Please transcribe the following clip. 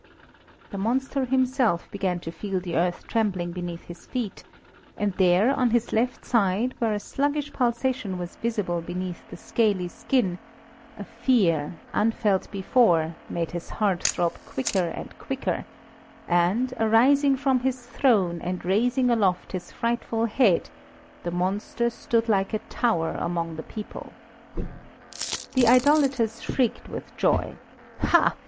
The monster himself began to feel the earth trembling beneath his feet, and there, on his left side, where a sluggish pulsation was visible beneath the scaly skin, a fear, unfelt before, made his heart throb quicker and quicker, and, arising from his throne and raising aloft his frightful head, the monster stood like a tower among the people. The idolaters shrieked with joy: "Ha!